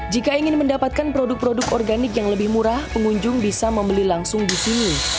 jika ingin mendapatkan produk produk organik yang lebih murah pengunjung bisa membeli langsung di sini